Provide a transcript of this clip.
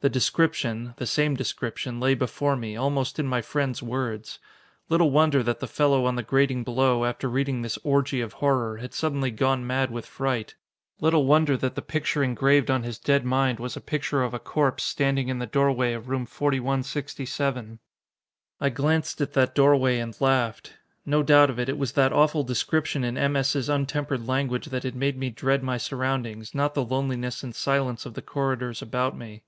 The description the same description lay before me, almost in my friend's words. Little wonder that the fellow on the grating below, after reading this orgy of horror, had suddenly gone mad with fright. Little wonder that the picture engraved on his dead mind was a picture of a corpse standing in the doorway of room 4167! I glanced at that doorway and laughed. No doubt of it, it was that awful description in M. S.'s untempered language that had made me dread my surroundings, not the loneliness and silence of the corridors about me.